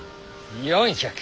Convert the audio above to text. ４００。